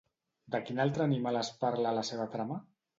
De quin altre animal es parla a la seva trama?